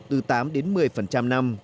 từ tám đến một mươi năm